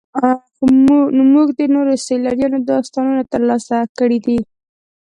موږ د نورو سیلانیانو داستانونه ترلاسه کړي دي.